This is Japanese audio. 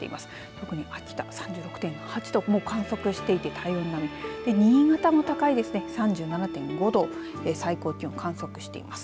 特に秋田３６．８度も観測していて体温並み新潟も高いですね３７．５度最高気温観測しています。